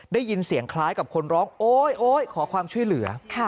ได้ยินเสียงคล้ายกับคนร้องโอ๊ยโอ๊ยขอความช่วยเหลือ